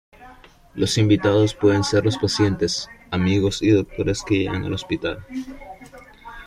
Los invitados pueden ser los pacientes, amigos y doctores que lleguen al hospital.